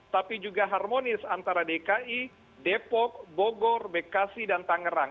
tapi juga harmonis antara dki depok bogor bekasi dan tangerang